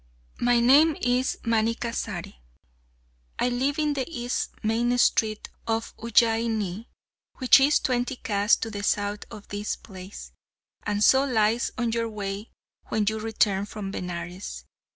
My name is Manikkasari. I live in the East main street of Ujjaini, which is twenty kas to the south of this place, and so lies on your way when you return from Benares.